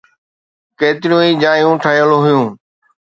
ڪيتريون ئي جايون ٺهيل هيون